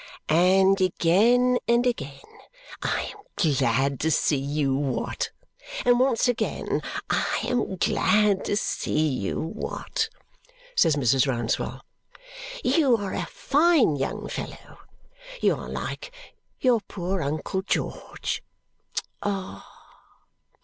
"And, again and again, I am glad to see you, Watt! And, once again, I am glad to see you, Watt!" says Mrs. Rouncewell. "You are a fine young fellow. You are like your poor uncle George. Ah!"